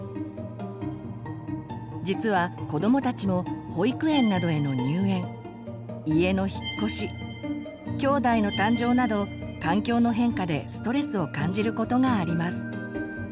実は子どもたちも保育園などへの入園家の引っ越しきょうだいの誕生など環境の変化でストレスを感じることがあります。